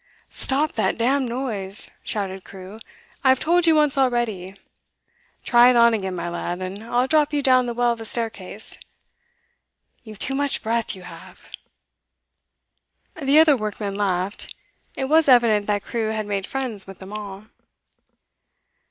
'Stop that damned noise!' shouted Crewe. 'I've told you once already. Try it on again, my lad, and I'll drop you down the well of the staircase you've too much breath, you have.' The other workmen laughed. It was evident that Crewe had made friends with them all.